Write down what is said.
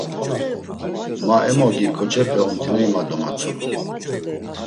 Ma emogi ǩoçepe omt̆iney, ma domatzonu.